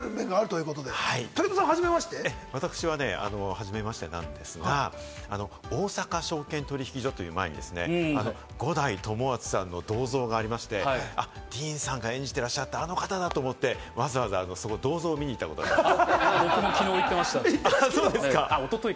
いろいろ気さくに話して下さるんですけれども、武田さんははじめましてなんですが、大阪証券取引所という前に五代友厚さんの銅像がありまして、あのＤＥＡＮさんが演じてらっしゃったあの方だと思って、わざわざ銅像を見に行ったことがあります。